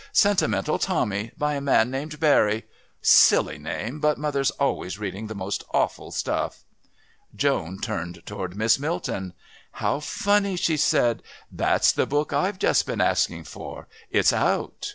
Sentimental Tommy, by a man called Barrie. Silly name, but mother's always reading the most awful stuff." Joan turned towards Miss Milton. "How funny!" she said. "That's the book I've just been asking for. It's out."